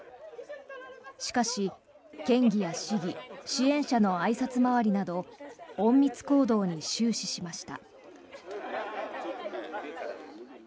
しかし、県議や市議支援者のあいさつ回りなど隠密行動に終始しました。